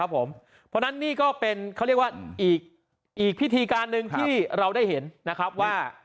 เพราะฉะนั้นนี่ก็เป็นเขาเรียกว่าอีกพิธีการหนึ่งที่เราได้เห็นนะครับว่า